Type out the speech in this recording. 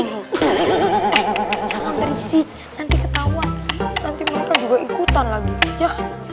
jangan berisik nanti ketawa nanti mereka juga ikutan lagi yuk